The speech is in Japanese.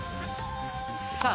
さあ